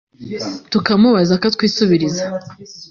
tukamubaza akatwisubiriza